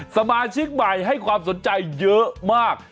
สมาชิกใหม่ให้ความสนใจเยอะมาก